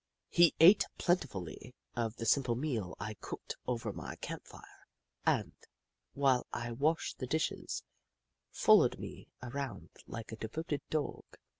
He ate plentifully of the simple meal I cooked over my camp fire, and, while I washed the dishes, followed me around like a devoted dog.